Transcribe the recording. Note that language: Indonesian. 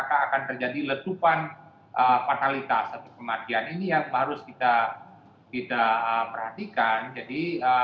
akan terjadi letupan fatalitas atau kematian ini yang harus kita perhatikan jadi